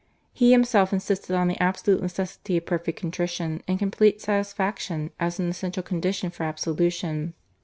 He himself insisted on the absolute necessity of perfect contrition and complete satisfaction as an essential condition for absolution.